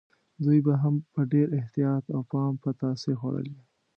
دوی به هم په ډېر احتیاط او پام پتاسې خوړلې.